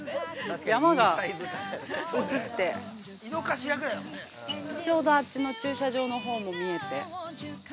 山が、映って、ちょうどあっちの駐車場のほうも見えて。